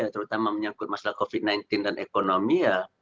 terutama yang menyangkut masalah covid sembilan belas dan ekonomi